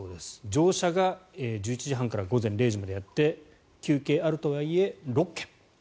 乗車が１１時半から午前０時までやって休憩あるとはいえ、６件。